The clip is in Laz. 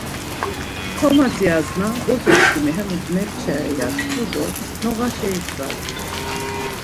Komadzirasna bozo çkimi hemus mepçare ya tku do noğaşa igzalu.